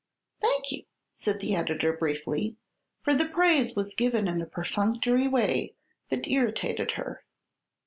"Thank you," said the editor briefly, for the praise was given in a perfunctory way that irritated her.